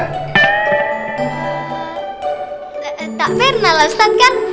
he he tak pernah lah ustadz kan